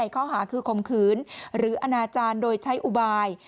คือคมขืนหรืออาณาจารย์โดยใช้อุบาย